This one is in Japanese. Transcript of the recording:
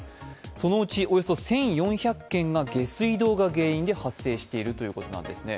そのうちおよそ１４００件が下水道が原因で発生しているということなんですね。